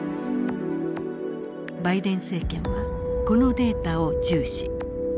バイデン政権はこのデータを重視。